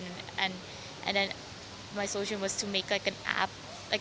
dan solusi saya adalah membuat aplikasi yang sangat sederhana untuk orang orang